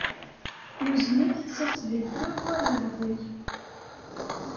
Nuzen-it s asbiṭar war leɛḍil.